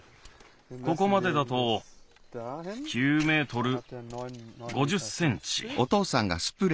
ここまでだと９メートル５０センチ。